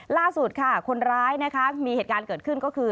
ล่าสุดค่ะคนร้ายนะคะมีเหตุการณ์เกิดขึ้นก็คือ